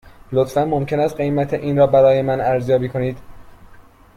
لطفاً ممکن است قیمت این را برای من ارزیابی کنید؟